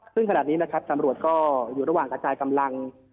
ซึ่งขณะนี้นะครับตำรวจก็อยู่ระหว่างกระจายกำลัง